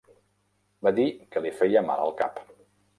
Va dir que li feia mal el cap.